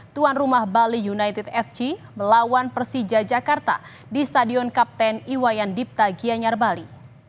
tuan rumah bali united fc melawan persija jakarta di stadion kapten iwayan dipta gianyar bali